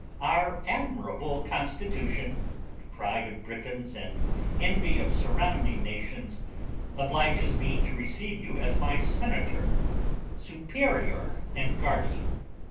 Our admirable Constitution (the pride of Britons and envy of surrounding nations) obliges me to receive you as my senator, superior, and guardian.